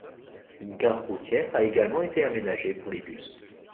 Une gare routière a également été aménagée pour les bus.